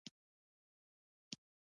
ونډالیانو پر ټاپو وزمې یرغل وکړ.